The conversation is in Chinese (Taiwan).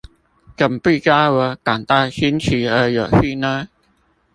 怎不教我感到新奇而有趣呢？